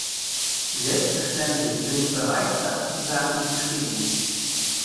Selbstverständlich bin ich bereit, das zu sagen und zu bestätigen.